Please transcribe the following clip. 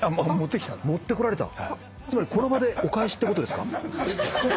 つまりこの場でお返しってことですか？